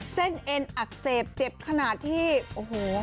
เอ็นอักเสบเจ็บขนาดที่โอ้โห